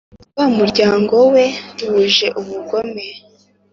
wa muryango we wuje ubugome,